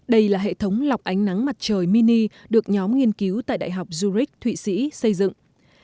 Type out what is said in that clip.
đây là hệ thống lọc ánh nắng mặt trời mini được nhóm nghiên cứu tại đại học zurich thụy sĩ xây dựng